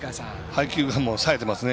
配球が、さえてますね。